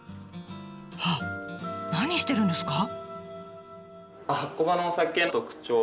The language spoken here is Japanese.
あっ何してるんですか？